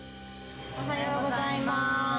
おはようございます。